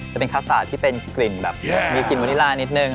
จะเป็นคัสสาที่เป็นกลิ่นแบบมีกลิ่นวานิลานิดนึง